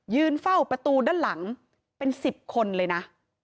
เฝ้าประตูด้านหลังเป็น๑๐คนเลยนะ